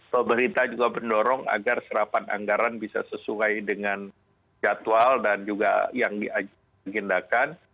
pemerintah juga mendorong agar serapan anggaran bisa sesuai dengan jadwal dan juga yang diagendakan